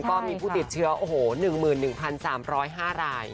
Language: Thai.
ก็มีผู้ติดเชื้อโอ้โห๑๑๓๐๕ราย